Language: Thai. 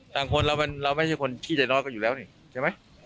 ต่างคนเราไม่ใช่คนขี้ใจน้อยกันอยู่แล้วนี่ใช่ไหม